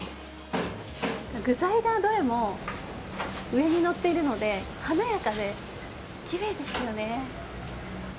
具材がどれも上に載っているので華やかで奇麗ですよね。